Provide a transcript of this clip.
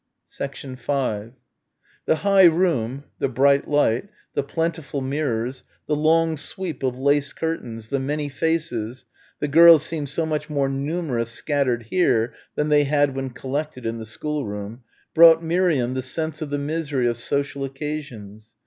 5 The high room, the bright light, the plentiful mirrors, the long sweep of lace curtains, the many faces the girls seemed so much more numerous scattered here than they had when collected in the schoolroom brought Miriam the sense of the misery of social occasions.